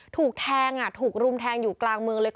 ถูกแทงถูกรุมแทงอยู่กลางเมืองเลย